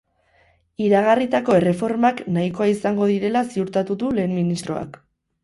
Iragarritako erreformak nahikoa izango direla ziurtatu du lehen ministroak.